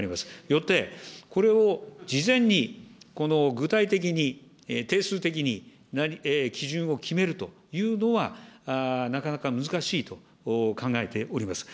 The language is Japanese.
よって、これを事前に、この具体的に、定数的に基準を決めるというのは、なかなか難しいと考えております。